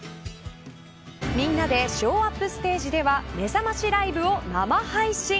みんなでＳＨＯＷＵＰステージではめざましライブを生配信。